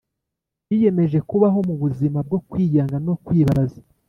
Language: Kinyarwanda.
yiyemeje kubaho mu buzima bwo kwiyanga no kwibabaza.